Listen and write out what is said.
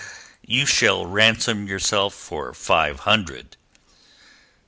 You shall ransom yourself for five hundred."